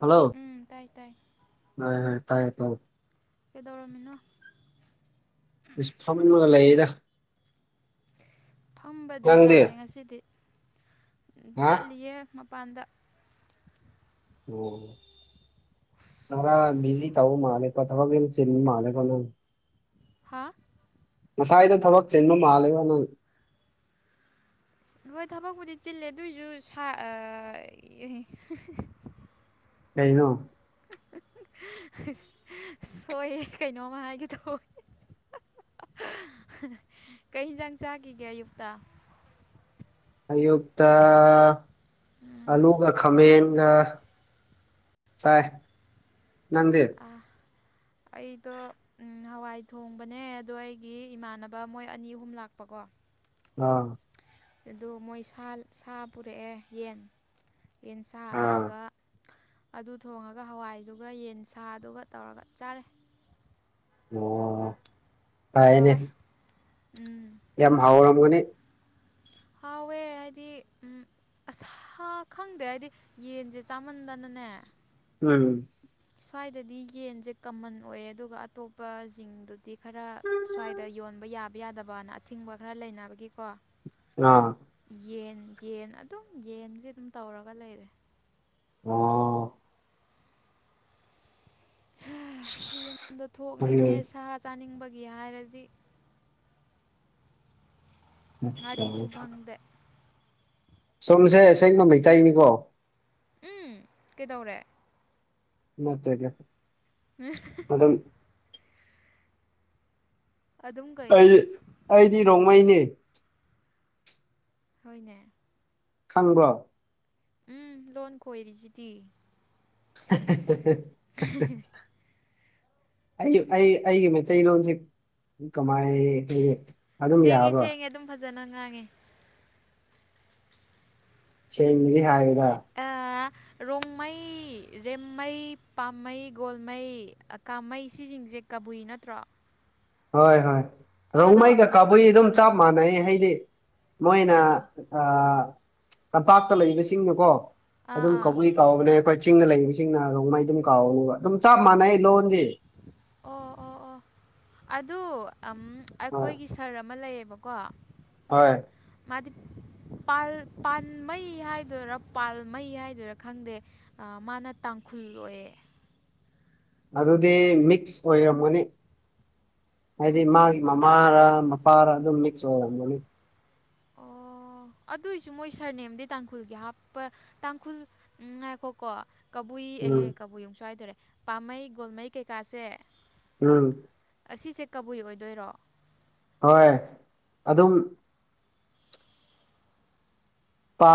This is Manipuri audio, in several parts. ꯍꯜꯂꯣ ꯎꯝ ꯇꯥꯏ ꯇꯥꯏ ꯍ ꯍ ꯇꯥꯏꯌꯦ ꯇꯧ ꯀꯩꯗꯧꯔꯝꯃꯤꯅꯣ ꯏꯁ ꯐꯝꯃꯟꯂꯒ ꯂꯩꯌꯦꯗ ꯐꯝꯕꯗꯤ ꯅꯪꯗꯤ ꯇꯥꯔꯦ ꯉꯁꯤꯗꯤ ꯍꯥ ꯆꯠꯂꯤꯌꯦ ꯃꯄꯥꯟꯗ ꯑꯣ ꯊꯔ ꯃꯤꯖꯤ ꯇꯥꯎ ꯃꯥꯂꯛ ꯊꯕꯛ ꯆꯤꯟꯕ ꯃꯥꯂꯀꯣꯟꯅꯣ ꯍꯥ ꯉꯁꯥꯏꯗ ꯊꯕꯛ ꯆꯤꯟꯕ ꯃꯥꯜꯂꯦꯀꯣ ꯅꯪ ꯍꯣꯏ ꯊꯕꯛꯄꯨꯗꯤ ꯆꯤꯜꯂꯦ ꯑꯗꯨꯑꯣꯏꯁꯨ ꯀꯩꯅꯣ ꯑ ꯁꯣꯏꯌꯦ ꯀꯩꯅꯣꯝꯃ ꯍꯥꯏꯒꯗꯧ ꯀꯩ ꯌꯦꯟꯖꯥꯡ ꯆꯥꯈꯤꯒꯦ ꯑꯌꯨꯛꯇ ꯑꯌꯨꯛꯇ ꯑꯂꯨꯒ ꯈꯃꯦꯟ ꯆꯥꯏ ꯅꯟꯖꯦ ꯑ ꯑꯩꯗꯣ ꯎꯝ ꯍꯋꯥꯏ ꯊꯣꯡꯕꯅꯦ ꯑꯗꯣ ꯑꯩꯒꯤ ꯏꯃꯥꯟꯅꯕ ꯃꯣꯏ ꯑꯅꯤ ꯑꯍꯨꯝ ꯂꯥꯛꯄꯀꯣ ꯑꯥ ꯑꯗꯣ ꯃꯣꯏ ꯁꯥ ꯁꯥ ꯄꯨꯔꯛꯑꯦ ꯌꯦꯟ ꯌꯦꯟꯁꯥ ꯑꯥ ꯑꯗꯨꯒ ꯑꯗꯨ ꯊꯣꯡꯉꯒ ꯍꯋꯥꯏꯗꯨꯒ ꯌꯦꯟ ꯁꯥꯗꯨꯒ ꯇꯧꯔꯒ ꯆꯥꯔꯦ ꯑꯣ ꯐꯩꯅꯦ ꯍꯧꯋꯦ ꯎꯝ ꯌꯥꯝ ꯍꯥꯎꯔꯝꯒꯅꯤ ꯍꯥꯎꯋꯦ ꯍꯥꯏꯗꯤ ꯎꯝ ꯑꯁ ꯍꯥ ꯈꯪꯗꯦ ꯍꯥꯏꯗꯤ ꯌꯦꯟꯁꯦ ꯆꯥꯃꯟꯗꯅꯅꯦ ꯎꯝ ꯁ꯭ꯋꯥꯏꯗꯗꯤ ꯌꯦꯟꯁꯦ ꯀꯃꯟ ꯑꯣꯏꯌꯦ ꯑꯗꯨꯒ ꯑꯇꯣꯞꯄ ꯁꯤꯡꯗꯨꯗꯤ ꯈꯔ ꯁ꯭ꯋꯥꯏꯗ ꯌꯣꯟꯕ ꯌꯥꯕ ꯌꯥꯗꯕꯅ ꯑꯊꯤꯡꯕ ꯈꯔ ꯂꯩꯅꯕꯒꯤꯀꯣ ꯅꯥ ꯌꯦꯟ ꯌꯦꯟ ꯑꯗꯨꯝ ꯌꯦꯟꯁꯦ ꯑꯗꯨꯝ ꯇꯧꯔꯒ ꯂꯩꯔꯦ ꯑꯣ ꯍꯥ ꯌꯨꯝꯗ ꯊꯣꯛꯅꯤꯡꯉꯦ ꯎꯝ ꯁꯥ ꯆꯥꯅꯤꯡꯕꯒꯤ ꯍꯥꯏꯔꯗꯤ ꯉꯥꯔꯤ ꯁꯨ ꯐꯪꯗꯦ ꯁꯣꯝꯁꯦ ꯑꯥꯁꯦꯡꯕ ꯃꯩꯇꯩꯅꯤꯀꯣ ꯎꯝ ꯀꯩꯗꯧꯔꯦ [unintelligible] [unintelligible] ꯑꯗꯨꯝ ꯑꯗꯨꯝ ꯀꯩ ꯑꯩ ꯑꯩꯗꯤ ꯔꯣꯡꯃꯩꯅꯦ ꯍꯣꯏꯅꯦ ꯈꯪꯕ꯭ꯔꯣ ꯎꯝ ꯂꯣꯟ ꯀꯣꯏꯔꯤꯁꯤꯗꯤ [unintelligible] ꯑꯩ ꯑꯩ ꯑꯩꯒꯤ ꯃꯩꯇꯩꯂꯣꯟꯁꯦ ꯀꯃꯥꯏ ꯑꯗꯨꯝ ꯁꯦꯡꯉꯦ ꯌꯥꯕ꯭ꯔꯣ ꯁꯦꯡꯉꯦ ꯑꯗꯨꯝ ꯐꯖꯅ ꯉꯥꯡꯉꯦ ꯁꯦꯡꯗꯔ꯭ꯗꯤ ꯍꯥꯏꯌꯨꯗ ꯑ ꯔꯣꯡꯃꯩ ꯔꯦꯝꯃꯩ ꯄꯥꯝꯃꯩ ꯒꯣꯜꯃꯩ ꯀꯥꯃꯩ ꯁꯤꯁꯤꯡꯁꯦ ꯀꯕꯨꯏ ꯅꯠꯇ꯭ꯔꯣ ꯍꯣꯏ ꯍꯣꯏ ꯑꯗꯣ ꯔꯣꯡꯃꯩꯒ ꯀꯥꯕꯨꯏ ꯑꯗꯨꯝ ꯆꯞ ꯃꯥꯟꯅꯩ ꯍꯥꯏꯗꯤ ꯑ, ꯃꯣꯏꯅ ꯑꯥ ꯇꯝꯄꯥꯛꯇ ꯂꯩꯕꯁꯤꯡꯅꯀꯣ ꯑꯥ ꯑꯗꯨꯝ ꯑꯥ ꯀꯧꯕꯤ ꯀꯧꯕꯅꯦ ꯑꯩꯈꯣꯏ ꯆꯤꯡꯗ ꯂꯩꯕꯁꯤꯡꯅ ꯔꯣꯡꯃꯩ ꯑꯗꯨꯝ ꯀꯧꯕ ꯑꯗꯨꯝ ꯆꯞ ꯃꯥꯟꯅꯩ ꯂꯣꯟꯗꯤ ꯑꯣ ꯑꯣ ꯑꯣ ꯑꯗꯨ ꯑꯝ ꯍꯣꯏ ꯑꯩꯈꯣꯏ ꯁꯥꯔ ꯑꯃ ꯂꯩꯌꯦꯕꯀꯣ ꯍꯣꯏ ꯃꯥꯗꯤ ꯄꯥꯜ ꯄꯥꯟꯃꯩ ꯍꯥꯏꯗꯣꯏꯔꯥ ꯄꯥꯜꯃꯩ ꯍꯥꯏꯗꯣꯏꯔꯥ ꯈꯪꯗꯦ ꯑꯥ ꯃꯥꯅ ꯇꯥꯡꯈꯨꯜ ꯑꯣꯏꯌꯦ ꯑꯗꯨꯗꯤ ꯃꯤꯛꯁ ꯑꯣꯏꯔꯝꯒꯅꯤ ꯑꯥꯏ ꯍꯥꯏꯗꯤ ꯗꯣꯟ ꯃꯥꯒꯤ ꯅꯣ ꯃꯃꯥꯔꯥ ꯄꯥꯔꯥ ꯑꯗꯨꯝ ꯃꯤꯛꯁ ꯑꯣꯏꯔꯝꯒꯅꯤ ꯑꯣ ꯑꯣ ꯑꯗꯨꯏꯁꯨ ꯃꯣꯏ ꯁꯥꯔꯅꯦꯝꯗꯤ ꯇꯥꯡꯈꯨꯜꯒꯤ ꯍꯥꯞꯄ ꯇꯥꯡꯈꯨꯜ ꯎꯝ ꯉꯥꯏꯈꯣꯀꯣ ꯀꯕꯨꯏ ꯎꯝ ꯑꯦꯍꯦ ꯀꯕꯨꯏ ꯑꯃꯨꯛꯁꯨ ꯍꯥꯏꯗꯣꯏꯔꯦ ꯄꯥꯃꯩ ꯒꯣꯜꯃꯩ ꯀꯩꯀꯥꯁꯦ ꯎꯝ ꯑꯁꯤꯁꯦ ꯀꯕꯨꯏ ꯑꯣꯏꯗꯣꯏꯔꯣ ꯍꯣꯏ ꯑꯗꯨꯝ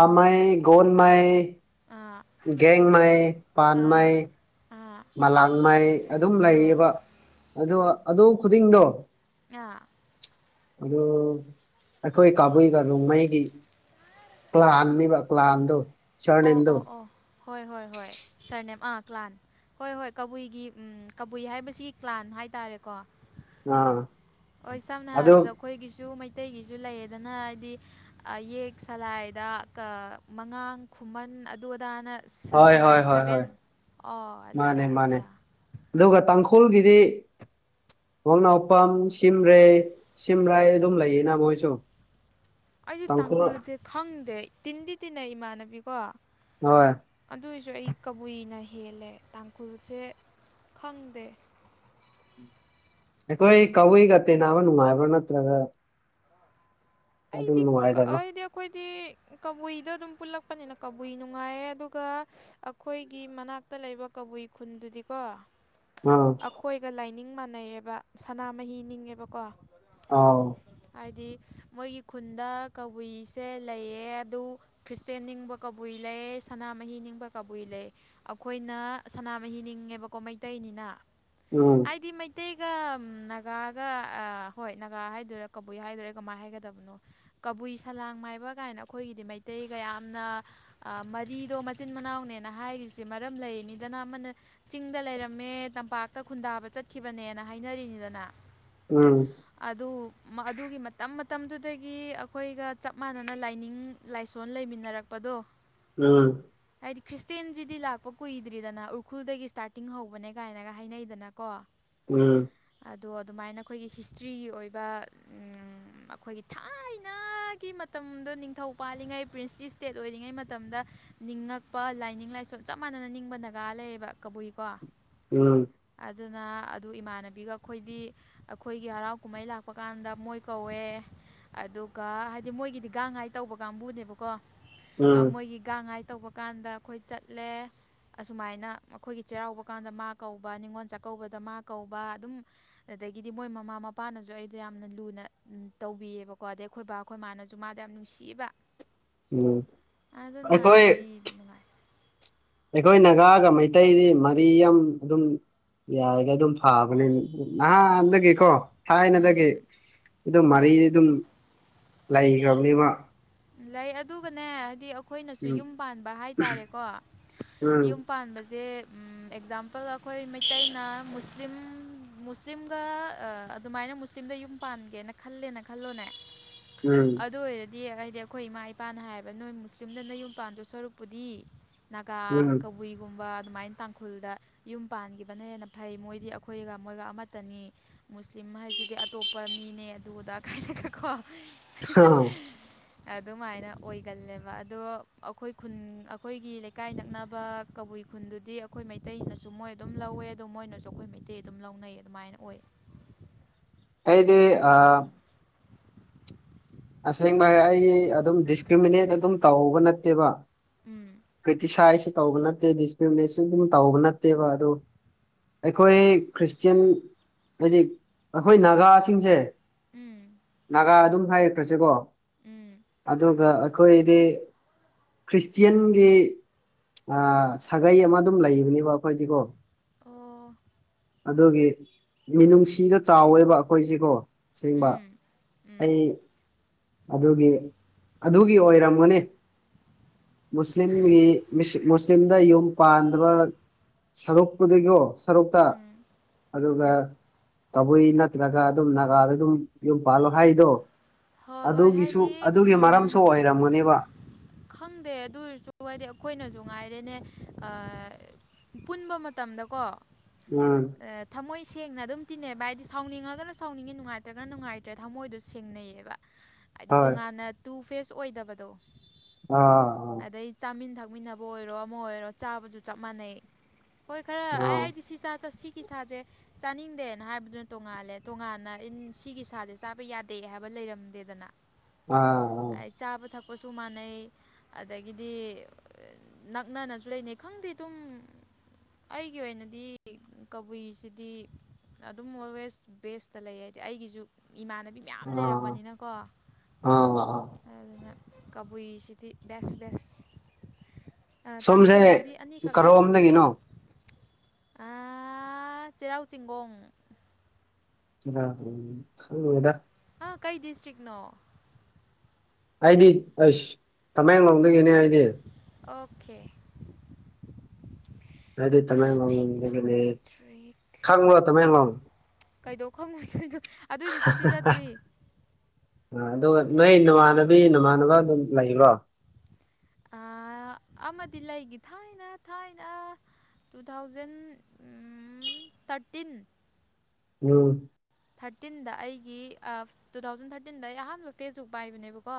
ꯎꯝ ꯒꯣꯟꯃꯩ ꯑꯥ ꯒꯦꯡꯃꯩ ꯄꯥꯟ ꯑꯥ ꯃꯩ ꯑꯥ ꯃꯂꯥꯡ ꯃꯩ ꯑꯗꯨꯝ ꯑꯥ ꯂꯩꯌꯦꯕ ꯑꯗꯣ ꯑꯗꯨ ꯈꯨꯗꯤꯡꯗꯣ ꯑꯥ ꯑꯗꯨ ꯑꯩꯈꯣꯏ ꯀꯕꯨꯏꯒ ꫪꯣꯡꯃꯩꯒꯤ ꯀ꯭ꯂꯥꯟꯅꯦꯕ ꯀ꯭ꯂꯥꯟꯗꯣ ꯑꯣ ꯁꯔꯅꯦꯝꯗꯣ ꯑꯣ ꯑꯣ ꯍꯣꯏ ꯍꯣꯏ ꯍꯣꯏ ꯁꯥꯔꯅꯦꯝ ꯑꯥ ꯀ꯭ꯂꯥꯟ ꯍꯣꯏ ꯍꯣꯏ ꯀꯕꯨꯏꯒꯤ ꯀꯕꯨꯏ ꯍꯥꯏꯕꯁꯤ ꯀ꯭ꯂꯥꯟ ꯍꯥꯏꯇꯥꯔꯦꯀꯣ ꯑꯥ ꯍꯣꯏ ꯁꯝꯅ ꯑꯗꯨ ꯍꯥꯏꯕꯗ ꯑꯩꯈꯣꯏꯒꯤꯁꯨ ꯃꯩꯇꯩꯒꯤꯁꯨ ꯂꯩꯌꯦꯗꯅ ꯍꯥꯏꯗꯤ ꯑ ꯌꯦꯛ ꯁꯂꯥꯏꯗ ꯃꯉꯥꯡ ꯈꯨꯃꯟ ꯑꯗꯨ ꯑꯗꯥꯅ ꯍꯣꯏ ꯍꯣꯏ ꯁꯂꯥꯏ ꯍꯣꯏ ꯍꯣꯏ ꯁꯚꯦꯟ ꯑꯣ ꯑꯠꯆꯥ ꯃꯥꯅꯦ ꯃꯥꯅꯦ ꯑꯠꯆꯥ ꯑꯗꯨꯒ ꯇꯥꯡꯈꯨꯜꯒꯤꯗꯤ ꯋꯥꯡꯅꯥꯎꯄꯝ ꯁꯤꯝꯔ‌ꯦ ꯁꯤꯝꯔꯩ ꯑꯗꯨꯝ ꯂꯩꯌꯦꯅ ꯃꯣꯏꯁꯨ ꯑꯩꯗꯤ ꯇꯥꯡꯈꯨꯜ ꯇꯥꯡꯈꯨꯜꯁꯦ ꯈꯪꯗꯦ ꯇꯤꯟꯗꯤ ꯇꯤꯟꯅꯩ ꯏꯃꯥꯟꯅꯕꯤꯀꯣ ꯍꯣꯏ ꯑꯗꯨꯏꯁꯨ ꯑꯩ ꯀꯕꯨꯏꯅ ꯍꯦꯜꯂꯦ ꯇꯥꯡꯈꯨꯜꯁꯦ ꯈꯪꯗꯦ ꯑꯩꯈꯣꯏ ꯀꯕꯨꯏꯒ ꯇꯤꯟꯅꯕ ꯅꯨꯡꯉꯥꯏꯕ꯭ꯔ‌ꯣ ꯅꯠꯇ꯭ꯔꯒ ꯑꯗꯨꯝ ꯑꯩꯗꯤ ꯅꯨꯡꯉꯥꯏꯗꯕ꯭ꯔꯣ ꯑꯩꯗꯤ ꯑꯩꯈꯣꯏꯗꯤ ꯀꯕꯨꯏꯗ ꯑꯗꯨꯝ ꯄꯨꯜꯂꯛꯄꯅꯤꯅ ꯀꯕꯨꯏ ꯅꯨꯡꯉꯥꯏꯌꯦ ꯑꯗꯨꯒ ꯑꯩꯈꯣꯏꯒꯤ ꯃꯅꯥꯛ ꯃꯅꯥꯛꯇ ꯂꯩꯕ ꯀꯕꯨꯏ ꯈꯨꯟꯗꯨꯗꯤꯀꯣ ꯑ ꯑꯩꯈꯣꯏꯒ ꯂꯥꯏꯅꯤꯡ ꯃꯥꯟꯅꯩꯑ‌ꯦꯕ ꯁꯅꯥꯃꯍꯤ ꯅꯤꯡꯉꯦꯕꯀꯣ ꯑꯥꯎ ꯍꯥꯏꯗꯤ ꯃꯣꯏꯒꯤ ꯈꯨꯟꯗ ꯀꯕꯨꯏꯁꯦ ꯂꯩꯌꯦ ꯑꯗꯨ ꯈ꯭ꯔꯤꯁꯇꯦꯟ ꯅꯤꯡꯕ ꯀꯕꯨꯏ ꯂꯩ ꯁꯅꯥꯃꯍꯤ ꯅꯤꯡꯕ ꯀꯕꯨꯏ ꯂꯩ ꯑꯩꯈꯣꯏꯅ ꯁꯅꯥꯃꯍꯤ ꯅꯤꯡꯉꯦꯕꯀꯣ ꯃꯩꯇꯩꯅꯤꯅ ꯎꯝ ꯑꯩꯗꯤ ꯃꯩꯇꯩꯒ ꯅꯥꯒꯥꯒ ꯍꯣꯏ ꯅꯥꯒꯥ ꯍꯥꯏꯗꯣꯏꯣꯔꯥ ꯀꯕꯨꯏ ꯍꯥꯏꯗꯣꯏꯔꯥ ꯀꯃꯥꯏ ꯍꯥꯏꯒ ꯇꯕꯅꯣ ꯀꯕꯨꯏ ꯁꯂꯥꯡ ꯃꯥꯏꯕ ꯀꯥꯏꯅ ꯑꯩꯈꯣꯏꯒꯤꯗꯤ ꯃꯩꯇꯩꯒ ꯌꯥꯝꯅ ꯑꯥ ꯃꯔꯤꯗꯣ ꯃꯆꯤꯟ ꯃꯅꯥꯎꯅꯦꯅ ꯍꯥꯏꯔꯤꯁꯦ ꯃꯔꯝ ꯂꯩꯔꯤꯅꯤꯗꯥꯅ ꯑꯃꯥꯅ ꯆꯤꯡꯗ ꯂꯩꯔꯝꯃꯦ ꯇꯝꯄꯥꯛꯇ ꯈꯨꯟꯗꯥꯕ ꯆꯠꯈꯤꯕꯅꯦꯅ ꯍꯥꯏꯅꯔꯤꯅꯤꯗꯅ ꯎꯝ ꯑꯗꯨ ꯑꯗꯨꯒꯤ ꯃꯇꯝ ꯃꯇꯝꯗꯨꯗꯒꯤ ꯑꯩꯈꯣꯏꯒ ꯆꯞ ꯃꯥꯟꯅꯅ ꯂꯥꯏꯅꯤꯡ ꯂꯥꯏꯁꯣꯟ ꯂꯩꯃꯤꯟꯅꯔꯛꯄꯗꯣ ꯎꯝ ꯍꯥꯏꯗꯤ ꯈ꯭ꯔꯤꯁꯇꯦꯟꯖꯤꯗꯤ ꯂꯥꯛꯄ ꯀꯨꯏꯗ꯭ꯔꯤꯗꯥꯅ ꯎꯈ꯭ꯔꯨꯜꯗꯒꯤ ꯁ꯭ꯇꯥꯔꯇꯤꯡ ꯍꯧꯕꯅꯦ ꯀꯥꯏꯅꯒ ꯍꯥꯏꯅꯩꯗꯅ ꯀꯣ ꯎꯝ ꯑꯗꯣ ꯑꯗꯨꯃꯥꯏꯅ ꯑꯩꯈꯣꯏꯒꯤ ꯍꯤꯁꯇ꯭ꯔꯤꯒꯤ ꯑꯣꯏꯕ ꯎꯝ ꯑꯩꯈꯣꯏꯒꯤ ꯊꯥꯏꯅꯒꯤ ꯃꯇꯝꯗꯣ ꯅꯤꯡꯊꯧ ꯄꯥꯜꯂꯤꯉꯩ ꯕ꯭ꯔꯤꯁꯇꯤꯁ ꯏꯁꯇꯦꯠ ꯑꯣꯏꯔꯤꯉꯩ ꯃꯇꯝꯗ ꯅꯤꯡꯉꯛꯄ ꯂꯥꯏꯅꯤꯡ ꯂꯥꯏꯁꯣꯟ ꯆꯞ ꯃꯥꯟꯅꯅ ꯅꯤꯡꯕ ꯅꯥꯒꯥ ꯂꯩꯌꯦꯕ ꯀꯕꯨꯏꯀꯣ ꯎꯝ ꯑꯗꯨꯅ ꯑꯗꯨ ꯏꯃꯥꯟꯅꯕꯤꯒ ꯑꯩꯈꯣꯏꯗꯤ ꯑꯩꯈꯣꯏꯒꯤ ꯍꯔꯥꯎ ꯀꯨꯝꯍꯩ ꯂꯥꯛꯄ ꯀꯥꯟꯗ ꯃꯣꯏ ꯀꯧꯋꯦ ꯑꯗꯨꯒ ꯍꯥꯏꯗꯤ ꯃꯣꯏꯒꯤꯗꯤ ꯒꯥꯡ ꯉꯥꯏ ꯇꯧꯕ ꯀꯥꯡꯕꯨꯅꯦꯕꯀꯣ ꯑꯥ ꯎꯝ ꯃꯣꯏꯒꯤ ꯒꯥꯡꯉꯥꯏ ꯇꯧꯕ ꯀꯥꯟꯗ ꯑꯩꯈꯣꯏ ꯆꯠꯂꯦ ꯑꯁꯨꯃꯥꯏꯅ ꯑꯈꯣꯏꯒꯤ ꯆꯩꯔꯥꯎꯕ ꯀꯥꯟꯗ ꯃꯥ ꯀꯧꯕ ꯅꯤꯉꯣꯜ ꯆꯥꯛꯀꯧꯕꯗ ꯃꯥ ꯀꯧꯕ ꯑꯗꯨꯝ ꯑꯗꯒꯤꯗꯤ ꯃꯣꯏ ꯃꯃꯥ ꯃꯄꯥꯅꯁꯨ ꯑꯩꯗꯣ ꯌꯥꯝꯅ ꯂꯨꯅ ꯇꯧꯕꯤꯌꯦꯕꯀꯣ ꯑꯗꯩ ꯑꯩꯈꯣꯏ ꯕꯥ ꯑꯩꯈꯣꯏ ꯃꯥꯅꯁꯨ ꯃꯥꯗ ꯌꯥꯝ ꯅꯨꯡꯁꯤꯕ ꯎꯝ ꯑꯗꯨꯅ ꯑꯩꯈꯣꯏ ꯑꯩꯗꯤ ꯅꯨꯡꯉꯥꯏ ꯑꯩꯈꯣꯏ ꯅꯒꯥꯒ ꯃꯩꯇꯩꯗꯤ ꯃꯔꯤ ꯌꯥꯝ ꯑꯗꯨꯝ ꯌꯥꯏꯗ ꯑꯗꯨꯝ ꯐꯕꯅꯦ ꯅꯍꯥꯟꯗꯒꯤꯀꯣ ꯊꯥꯏꯅꯗꯒꯤ ꯎꯝ ꯑꯗꯨꯝ ꯃꯔꯤ ꯍꯣꯏ ꯑꯗꯨꯝ ꯂꯩꯒ꯭ꯔꯝꯅꯤꯕ ꯂꯩ ꯑꯗꯨꯒꯅꯦ ꯍꯥꯏꯗꯤ ꯈꯣꯏꯅꯁꯨ ꯌꯨꯝ ꯎꯝ ꯄꯥꯟꯕ ꯍꯥꯏꯇꯥꯔꯦꯀꯣ ꯎꯝ ꯌꯨꯝ ꯄꯥꯟꯕꯁꯦ ꯎꯝ ꯑꯦꯛꯖꯥꯝꯄꯜ ꯑꯩꯈꯣꯏ ꯃꯩꯇꯩꯅ ꯃꯨꯁꯂꯤꯝ ꯃꯨꯁꯂꯤꯝꯒ ꯑꯥ ꯑꯗꯨꯃꯥꯏꯅ ꯃꯨꯁꯂꯤꯝꯗ ꯌꯨꯝ ꯄꯥꯟꯒꯦꯅ ꯈꯜꯂꯦꯅ ꯈꯜꯂꯣꯅꯦ ꯎꯝ ꯑꯗꯨ ꯑꯣꯏꯔꯗꯤ ꯍꯥꯏꯗꯤ ꯑꯩꯈꯣꯏ ꯏꯃꯥ ꯏꯄꯥꯅ ꯍꯥꯏꯌꯦꯕ ꯅꯣꯏ ꯃꯨꯁꯂꯤꯝꯗꯥ ꯅꯌꯨꯝ ꯄꯥꯟꯗꯧ ꯁꯔꯨꯛꯄꯨꯗꯤ ꯅꯥꯒꯥ ꯎꯝ ꯀꯕꯨꯏ ꯒꯨꯝꯕ ꯑꯗꯨꯃꯥꯏꯅ ꯇꯥꯡꯈꯨꯜꯗ ꯌꯨꯝ ꯄꯥꯟꯈꯤꯕꯅ ꯍꯦꯟꯅ ꯐꯩ ꯃꯣꯏꯗꯤ ꯑꯩꯈꯣꯏꯒ ꯃꯣꯏꯒ ꯑꯃꯠꯇꯅꯤ ꯃꯨꯁꯂꯤꯝ ꯍꯥꯏꯁꯤꯗꯤ ꯑꯇꯣꯞꯄ ꯃꯤꯅꯦ ꯑꯗꯨ ꯑꯗꯥ ꯀꯥꯏꯅꯒꯥꯀꯣ ꯍꯥ. ꯑꯗꯨꯃꯥꯏꯅ ꯑꯣꯏꯒꯜꯂꯦꯕ ꯑꯗꯣ ꯑꯩꯈꯣꯏ ꯈꯨꯟ ꯑꯩꯈꯣꯏꯒꯤ ꯂꯩꯀꯥꯏ ꯅꯛꯅꯥꯕ ꯀꯕꯨꯏ ꯈꯨꯟꯗꯨꯗꯤ ꯑꯩꯈꯣꯏ ꯃꯩꯇꯩꯅꯁꯨ ꯃꯣꯏ ꯑꯗꯨꯝ ꯂꯧꯋꯦ ꯑꯗꯣ ꯃꯣꯏꯅꯁꯨ ꯑꯩꯈꯣꯏ ꯃꯩꯇꯩ ꯑꯗꯨꯝ ꯂꯧꯅꯩ ꯑꯗꯨꯃꯥꯏꯅ ꯑꯣꯏ ꯑꯩꯗꯤ ꯑꯥ ꯑꯁꯦꯡꯕ ꯍꯥꯏ ꯑꯩ ꯑꯗꯨꯝ ꯗꯤꯁꯀ꯭ꯔꯤꯃꯤꯅꯦꯠ ꯑꯗꯨꯝ ꯇꯥꯎꯕ ꯅꯠꯇꯦꯕ ꯎꯝ ꯀ꯭ꯔꯤꯇꯤꯁꯥꯏꯖꯁꯨ ꯇꯧꯕ ꯅꯠꯇꯦ ꯗꯤꯁꯀ꯭ꯔꯤꯃꯤꯅꯦꯁꯟ ꯑꯗꯨꯝ ꯇꯧꯕ ꯅꯠꯇꯦꯕ ꯑꯗꯣ ꯑꯩꯈꯣꯏ ꯈ꯭ꯔꯤꯁꯇꯟ ꯍꯥꯏꯗꯤ ꯑꯩꯈꯣꯏ ꯅꯥꯒꯥꯁꯤꯡꯁꯦ ꯎꯝ ꯅꯥꯒꯥ ꯑꯗꯨꯝ ꯍꯥꯏꯔꯈ꯭ꯔꯁꯦꯀꯣ ꯎꯝ ꯑꯗꯨꯒ ꯑꯩꯈꯣꯏꯗꯤ ꯈ꯭ꯔꯤꯁꯇꯤꯌꯥꯟꯒꯤ ꯑꯥ ꯁꯥꯒꯩ ꯑꯃ ꯑꯗꯨꯝ ꯂꯩꯕꯅꯦꯕ ꯈꯣꯏꯗꯤꯀꯣ ꯑꯣ ꯑꯗꯨꯒꯤ ꯃꯤꯅꯨꯡꯁꯤꯗꯣ ꯆꯥꯎꯋꯦꯕ ꯑꯩꯈꯣꯏꯁꯦꯀꯣ ꯁꯦꯡꯕ ꯎꯝ ꯎꯝ ꯑꯩ ꯑꯗꯨꯒꯤ ꯑꯗꯨꯒꯤ ꯑꯣꯏꯔꯝꯒꯅꯤ ꯃꯨꯁꯂꯤꯝꯒꯤ ꯃꯨꯁꯂꯤꯝꯗ ꯌꯨꯝ ꯄꯥꯟꯗꯕ ꯁꯔꯨꯛꯄꯨꯗꯤꯀꯣ ꯁꯔꯨꯛꯇ ꯑꯗꯨꯒ ꯀꯕꯨꯏ ꯅꯠꯇ꯭ꯔꯒ ꯑꯗꯨꯝ ꯅꯥꯒꯥꯗ ꯑꯗꯨꯝ ꯌꯨꯝ ꯄꯥꯜꯂꯣ ꯍꯥꯏꯗꯣ ꯍꯣꯏ ꯍꯣꯏ ꯑꯗꯨꯒꯤꯁꯨ ꯍꯥꯏꯗꯤ ꯑꯗꯨꯒꯤ ꯃꯔꯝꯁꯨ ꯎꯝ ꯑꯣꯏꯔꯝꯒꯅꯦꯕ ꯈꯪꯗꯦ ꯑꯗꯨꯑꯣꯏꯁꯨ ꯍꯥꯏꯗꯤ ꯑꯩꯈꯣꯏꯅꯁꯨ ꯉꯥꯏꯔꯦꯅꯦ ꯄꯨꯟꯕ ꯃꯇꯝꯗꯀꯣ ꯎꯝ ꯊꯃꯣꯏ ꯁꯦꯡꯅ ꯑꯗꯨꯝ ꯇꯤꯟꯅꯩꯕ ꯍꯥꯏꯗꯤ ꯁꯥꯎꯅꯤꯡꯉꯒꯅ ꯁꯥꯎꯅꯤꯡꯉꯤ ꯅꯨꯡꯉꯥꯏꯇ꯭ꯔꯒꯅ ꯅꯨꯡꯉꯥꯏꯇ꯭ꯔꯦ ꯊꯝꯃꯣꯏꯗꯣ ꯁꯦꯡꯅꯩꯌꯦꯕ ꯍꯥꯏꯗꯤ ꯍꯣꯏ ꯇꯣꯉꯥꯟꯅ ꯇꯨ ꯐꯦꯁ ꯑꯣꯏꯗꯕꯗꯣ ꯑ ꯑꯗꯩ ꯆꯥꯃꯤꯟ ꯊꯛꯃꯤꯟꯅꯕ ꯑꯣꯏꯔꯣ ꯑꯃ ꯑꯣꯏꯔꯣ ꯆꯥꯕꯁꯨ ꯆꯞ ꯃꯥꯟꯅꯩ ꯍꯣꯏ ꯈꯔ ꯑꯥ ꯑꯩ ꯑꯩꯗꯤ ꯁꯤ ꯆꯥ ꯆꯠꯁꯤꯒꯤ ꯁꯥꯥꯁꯦ ꯆꯥꯅꯤꯡꯗꯦꯅ ꯍꯥꯏꯕꯗꯨꯅ ꯇꯣꯡꯉꯥꯜꯂꯦ ꯇꯣꯉꯥꯟꯅ ꯁꯤꯒꯤ ꯁꯥꯥꯁꯦ ꯆꯥꯕ ꯌꯥꯗꯦ ꯍꯥꯏꯕ ꯂꯩꯔꯝꯗꯦꯗꯅ ꯑꯥ ꯆꯥꯕ ꯊꯛꯄꯁꯨ ꯃꯥꯟꯅꯩ ꯑꯗꯒꯤꯗꯤ ꯅꯛꯅꯅꯁꯨ ꯂꯩꯅꯩ ꯈꯪꯗꯦ ꯑꯗꯨꯝ ꯑꯩꯒꯤ ꯑꯣꯏꯅꯗꯤ ꯀꯕꯨꯏꯁꯤꯗꯤ ꯑꯗꯨꯝ ꯑꯣꯜꯋꯦꯁ ꯕꯦꯁꯇ ꯂꯩ ꯍꯥꯏꯗꯤ ꯑꯩꯒꯤꯁꯨ ꯏꯃꯥꯟꯅꯕꯤ ꯃꯌꯥꯝ ꯑꯥ ꯂꯩꯔꯛꯄꯅꯤꯅꯀꯣ ꯑꯥ ꯑꯥ ꯑꯥ ꯑꯗꯨꯗꯨꯅꯥ ꯀꯥꯕꯨꯏꯁꯤꯗꯤ ꯕꯦꯁ ꯕꯦꯁ ꯇꯥꯡꯈꯨꯜꯗꯤ ꯑꯅꯤꯈꯛ ꯂꯩ ꯅꯪꯒꯤꯅꯣ ꯑ ꯆꯩꯔꯥꯎ ꯆꯤꯡꯒꯣꯡ ꯆꯩꯔꯥꯎ ꯆꯤꯡꯒꯣꯡ ꯈꯪꯗꯦꯗꯥ ꯍꯥ ꯀꯩ ꯗꯤꯁꯇ꯭ꯔꯤꯛ ꯅꯣ ꯑꯩꯗꯤ ꯑꯁ ꯇꯃꯦꯡꯂꯣꯡꯗꯒꯤꯅꯦ ꯑꯩꯗꯤ ꯑꯣꯀꯦ ꯍꯥꯏꯗꯤ ꯇꯃꯦꯡꯂꯣꯡ ꯇꯃꯦꯡꯂꯣꯡꯗꯒꯤꯅꯦ ꯗꯤꯁꯇ꯭ꯔꯤꯛ ꯈꯪꯕꯔꯣ ꯇꯃꯦꯡꯂꯣꯡ ꯀꯩꯗꯧ ꯈꯪꯉꯣꯏꯗꯨꯏꯅꯣ ꯑ ꯑꯗꯨꯒ ꯅꯣꯏ ꯅꯃꯥꯟꯅꯕꯤ ꯅꯃꯥꯟꯅꯕ ꯑꯗꯨꯝ ꯂꯩꯕ꯭ꯔꯣ ꯑꯃꯗꯤ ꯂꯩꯒꯤ ꯊꯥꯏꯅ ꯊꯥꯏꯅ ꯇꯨ ꯊꯥꯎꯖꯟ ꯊꯥꯔꯇꯤꯟ ꯎꯝ ꯊꯥꯔꯇꯤꯟꯗ ꯑꯩꯒꯤ ꯇꯨ ꯊꯥꯎꯖꯟ ꯊꯥꯔꯇꯤꯟꯗ ꯑꯩ ꯑꯍꯥꯟꯕ ꯐꯦꯁꯕꯨꯛ ꯄꯥꯏꯕꯅꯦꯕꯀꯣ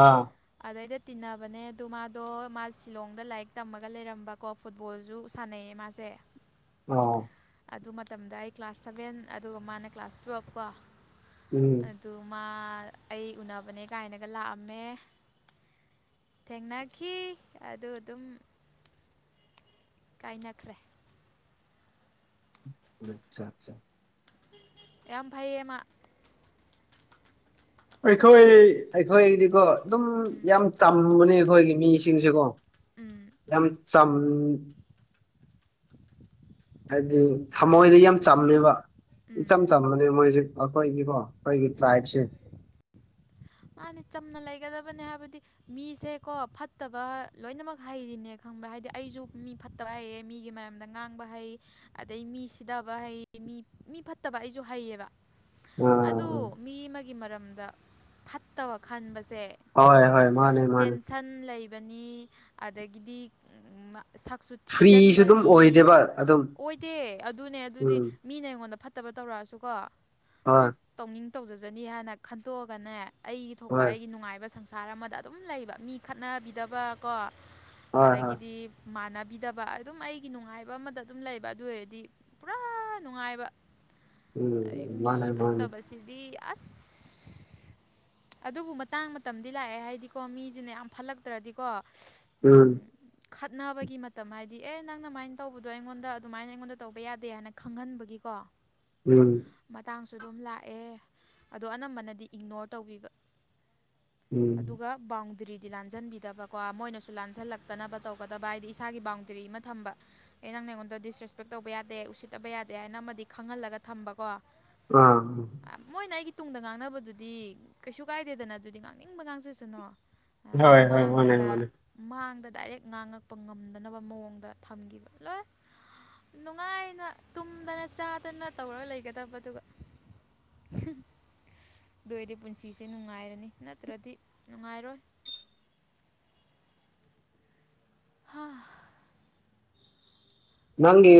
ꯑꯥ ꯑꯗꯩꯗ ꯇꯤꯟꯅꯕꯅꯦ ꯑꯗꯨ ꯃꯥꯗꯣ ꯃꯥ ꯁꯤꯂꯣꯡꯗ ꯂꯥꯏꯔꯤꯛ ꯇꯝꯃꯒ ꯂꯩꯔꯝꯕꯀꯣ ꯐꯨꯠꯕꯣꯜꯁꯨ ꯁꯥꯟꯅꯩꯌꯦ ꯃꯥꯁꯦ ꯑ ꯑꯗꯨ ꯃꯇꯝꯗ ꯑꯩ ꯀ꯭ꯂꯥꯁ ꯁꯚꯦꯟ ꯑꯗꯨꯒ ꯃꯥꯅ ꯀ꯭ꯂꯥꯁ ꯇꯨꯌꯦꯜꯐ ꯀꯣ ꯎꯝ ꯑꯗꯨ ꯃꯥ ꯑꯩ ꯎꯅꯕꯅꯦ ꯀꯥꯏꯅꯒ ꯂꯥꯛꯑꯝꯃꯦ ꯊꯦꯡꯅꯈꯤ ꯑꯗꯨ ꯑꯗꯨꯝ ꯀꯥꯏꯅꯈ꯭ꯔꯦ ꯑꯆꯥ ꯑꯆꯥ ꯌꯥꯝ ꯐꯩꯌꯦꯃꯥ ꯑꯩꯈꯣꯏ ꯑꯩꯈꯣꯏꯒꯤꯗꯤꯀꯣ ꯑꯗꯨꯝ ꯌꯥꯝ ꯆꯝꯕꯅꯦ ꯑꯩꯈꯣꯏꯒꯤ ꯃꯤꯁꯤꯡꯁꯦꯀꯣ ꯎꯝ ꯌꯥꯝ ꯆꯝ ꯍꯥꯏꯕꯗꯤ ꯊꯃꯣꯏꯗ ꯌꯥꯝ ꯆꯝꯃꯦꯕ ꯎꯝ ꯏꯆꯝ ꯆꯝꯕꯅꯦ ꯃꯣꯏꯁꯦ ꯑꯩꯈꯣꯏꯗꯤꯀꯣ ꯈꯣꯏꯒꯤ ꯇ꯭ꯔꯥꯏꯞꯁꯦ ꯃꯥꯅꯤ ꯆꯝꯅ ꯂꯩꯒꯗꯕꯅꯤ ꯍꯥꯏꯕꯗꯤ ꯃꯤꯁꯦꯀꯣ ꯐꯠꯇꯕ ꯂꯣꯏꯅꯃꯛ ꯍꯩꯔꯤꯅꯦ ꯈꯪꯕ ꯍꯥꯏꯗꯤ ꯑꯩꯁꯨ ꯃꯤ ꯐꯠꯇꯕ ꯍꯩꯌꯦ ꯃꯤꯒꯤ ꯃꯔꯝꯗ ꯉꯥꯡꯕ ꯍꯩ ꯑꯗꯩ ꯃꯤ ꯁꯤꯗꯕ ꯍꯩ ꯃꯤ ꯃꯤ ꯐꯠꯇꯕ ꯑꯩꯁꯨ ꯍꯩꯌꯦꯕ ꯑꯗꯨ ꯑꯥ ꯃꯤ ꯑꯃꯒꯤ ꯃꯔꯝꯗ ꯐꯠꯇꯕ ꯈꯟꯕꯁꯦ ꯍꯣꯏ ꯍꯣꯏ ꯃꯥꯅꯦ ꯃꯥꯅꯦ ꯇꯦꯟꯁꯟ ꯂꯩꯕꯅꯤ ꯑꯗꯒꯤꯗꯤ ꯁꯛꯁꯨ ꯐ꯭ꯔꯤꯁꯨ ꯑꯗꯨꯝ ꯊꯤꯖꯤꯟꯕꯅꯤ ꯑꯣꯏꯗꯦꯕ ꯑꯗꯨꯝ ꯑꯣꯏꯗꯦ ꯑꯗꯨꯅꯦ ꯑꯗꯨꯗꯤ꯫ ꯎꯝ ꯃꯤꯅ ꯑꯩꯉꯣꯟꯗ ꯐꯠꯇꯕ ꯇꯧꯔꯛꯑꯁꯨꯀꯣ ꯍꯣꯏ ꯎꯝ ꯇꯧꯅꯤꯡ ꯇꯧꯖꯖꯅꯤ ꯍꯥꯏꯅ ꯈꯟꯇꯣꯛꯑꯒꯅꯦ꯫ ꯑꯩꯒꯤ ꯊꯣꯛꯄ ꯍꯣꯏ ꯑꯩꯒꯤ ꯅꯨꯡꯉꯥꯏꯕ ꯁꯪꯁꯥꯔ ꯑꯃꯗ ꯑꯗꯨꯝ ꯂꯩꯕ ꯃꯤ ꯈꯠꯅꯕꯤꯗꯕꯀꯣ꯫ ꯍꯣꯏ ꯍꯣꯏ ꯑꯗꯒꯤꯗꯤ ꯃꯥꯟꯅꯕꯤꯗꯕ ꯑꯗꯨꯝ ꯑꯩꯒꯤ ꯅꯨꯡꯉꯥꯏꯕ ꯑꯃꯗ ꯑꯗꯨꯝ ꯂꯩꯕ ꯑꯗꯨ ꯑꯣꯏꯔꯗꯤ꯫ ꯄꯨꯔꯥ ꯅꯨꯡꯉꯥꯏꯕ ꯎꯝ ꯃꯤ ꯃꯥꯅꯦ ꯃꯥꯅꯦ ꯐꯠꯇꯕꯁꯤꯗꯤ ꯑꯁ ꯑꯗꯨꯕꯨ ꯃꯇꯥꯡ ꯃꯇꯝꯗꯤ ꯂꯥꯛꯑꯦ ꯍꯥꯏꯗꯤꯀꯣ ꯃꯤꯁꯤꯅ ꯌꯥꯝ ꯐꯠꯂꯛꯇ꯭ꯔꯗꯤꯀꯣ ꯎꯝ ꯈꯠꯅꯕꯒꯤ ꯃꯇꯝ ꯍꯥꯏꯗꯤ ꯑꯦ ꯅꯪꯅꯃꯥꯏꯅ ꯇꯧꯕꯗꯣ ꯑꯩꯉꯣꯟꯗ ꯑꯗꯨꯃꯥꯏꯅ ꯑꯩꯉꯣꯟꯗ ꯇꯧꯕ ꯌꯥꯗꯦ ꯍꯥꯏꯅ ꯈꯪꯍꯟꯕꯒꯤꯀꯣ꯫ [inaudible] ꯎꯝ ꯃꯇꯥꯡꯁꯨ ꯑꯗꯨꯝ ꯂꯥꯛꯑꯦ ꯑꯗꯣ ꯑꯅꯝꯕꯅꯗꯤ ꯏꯒꯅꯣꯔ ꯇꯧꯕꯤꯕ ꯎꯝ ꯑꯗꯨꯒ ꯕꯥꯎꯟꯗꯔꯤꯗꯤ ꯂꯥꯟꯖꯟꯕꯤꯗꯕꯀꯣ ꯃꯣꯏꯅꯁꯨ ꯂꯥꯟꯖꯜꯂꯛꯇꯅꯕ ꯇꯧꯒꯗꯕ ꯍꯥꯏꯗꯤ ꯏꯁꯥꯒꯤ ꯕꯥꯎꯟꯗꯔꯤ ꯑꯃ ꯊꯝꯕ ꯑꯩ ꯅꯪ ꯅ ꯑꯩꯉꯣꯟꯗ ꯗꯤꯁꯔꯦꯁꯄꯦꯛ ꯇꯧꯕ ꯌꯥꯗꯦ ꯎꯁꯤꯠꯇꯕ ꯌꯥꯗꯦ ꯍꯥꯏꯅ ꯑꯃꯗꯤ ꯈꯪꯍꯜꯂꯒ ꯊꯝꯕ ꯀꯣ꯫ ꯑꯥ ꯃꯣꯏꯅ ꯑꯩꯒꯤ ꯇꯨꯡꯗ ꯉꯥꯡꯅꯕꯗꯨꯗꯤ ꯀꯩꯁꯨ ꯀꯥꯏꯗꯦꯗꯅ ꯑꯗꯨꯗꯤ ꯉꯥꯡꯅꯤꯡꯕ ꯉꯥꯡꯁꯤꯁꯅꯣ꯫ ꯍꯣꯏ ꯍꯣꯏ ꯃꯥꯅꯦ ꯃꯥꯡꯗ ꯃꯥꯅꯦ ꯃꯥꯡꯗ ꯗꯥꯏꯔꯦꯛ ꯉꯥꯡꯉꯛꯄ ꯉꯝꯗꯅꯕ ꯃꯑꯣꯡꯗ ꯊꯝꯈꯤꯕ ꯂꯣꯏ꯫ ꯅꯨꯡꯉꯥꯏꯅ ꯇꯨꯝꯗꯅ ꯆꯥꯗꯅ ꯇꯧꯔꯒ ꯂꯩꯒꯗꯕꯗꯨꯒ꯫ [inaudible] ꯑꯗꯨ ꯑꯣꯏꯔꯗꯤ ꯄꯨꯟꯁꯤꯁꯦ ꯅꯨꯡꯉꯥꯏꯔꯅꯤ ꯅꯠꯇ꯭ꯔꯗꯤ ꯅꯨꯡꯉꯥꯏꯔꯣꯏ꯫ ꯍꯥꯥ ꯅꯪꯒꯤ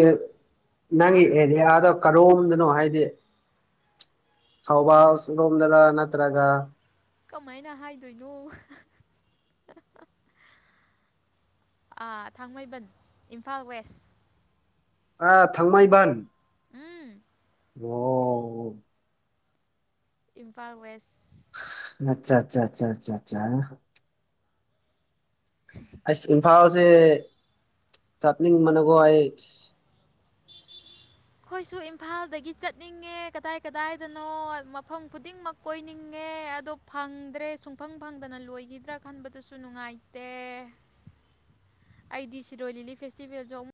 ꯍꯥ ꯅꯪꯒꯤ ꯑꯦꯔꯤꯌꯥꯗꯣ ꯀꯔꯣꯝꯗꯅꯣ ꯍꯥꯏꯗꯤ꯫ ꯊꯧꯕꯥꯜ ꯔꯣꯝꯗꯔ ꯅꯠꯇ꯭ꯔꯒ ꯀꯃꯥꯏꯅ ꯍꯥꯏꯗꯣꯏꯅꯣ꯫ ꯊꯥꯡꯃꯩꯕꯟ ꯏꯝꯐꯥꯜ ꯋꯦꯁ꯫ ꯑ ꯊꯥꯡꯃꯩꯕꯟ꯫ ꯎꯝ ꯑꯣ ꯏꯝꯐꯥꯜ ꯋꯦꯁ꯫ ꯑꯆꯥ ꯑꯆꯥ ꯑꯆꯥꯆꯥ ꯑꯁ ꯏꯝꯐꯥꯜꯁꯦ ꯆꯠꯅꯤꯡꯕꯅꯀꯣ ꯑꯩ ꯑꯩꯈꯣꯏꯁꯨ ꯏꯝꯐꯥꯜꯗꯒꯤ ꯆꯠꯅꯤꯡꯉꯦ ꯀꯗꯥꯏ ꯀꯗꯥꯏꯗꯅꯣ ꯃꯐꯝ ꯈꯨꯗꯤꯡꯃꯛ ꯀꯣꯏꯅꯤꯡꯉꯦ ꯑꯗꯣ ꯐꯪꯗ꯭ꯔꯦ ꯁꯨꯡꯐꯪ ꯐꯪꯗꯅ ꯂꯣꯏꯈꯤꯗ꯭ꯔꯥ ꯈꯟꯕꯗꯨꯁꯨ ꯅꯨꯡꯉꯥꯏꯇꯦ꯫ ꯑꯩꯗꯤ ꯁꯤꯔꯣꯏ ꯂꯤꯂꯤ ꯐꯦꯁꯇꯤꯚꯦꯜꯁꯨ ꯑꯃꯨꯛ